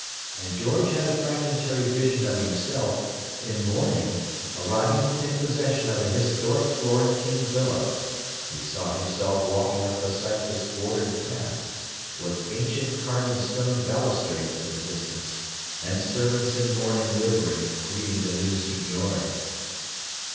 And George had a fragmentary vision of himself, in mourning, arriving to take possession of a historic Florentine villa—he saw himself walking up a cypress bordered path, with ancient carven stone balustrades in the distance, and servants in mourning livery greeting the new signore.